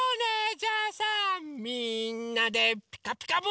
じゃあさみんなで「ピカピカブ！」